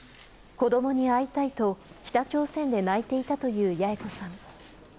子どもに会いたいと、北朝鮮で泣いていたという八重子さん。